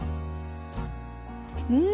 うん！